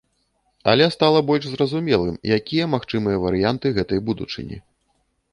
Але стала больш зразумелым, якія магчымыя варыянты гэтай будучыні.